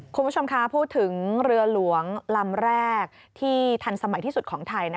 คุณผู้ชมคะพูดถึงเรือหลวงลำแรกที่ทันสมัยที่สุดของไทย